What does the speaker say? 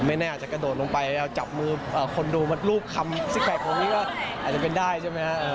แน่อาจจะกระโดดลงไปเอาจับมือคนดูมารูปคำซิกแพคนี้ก็อาจจะเป็นได้ใช่ไหมฮะ